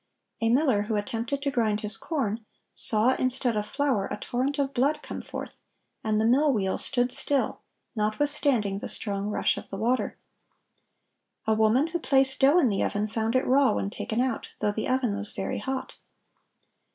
A miller who attempted to grind his corn, saw, instead of flour, a torrent of blood come forth, and the mill wheel stood still, notwithstanding the strong rush of the water. A woman who placed dough in the oven, found it raw when taken out, though the oven was very hot.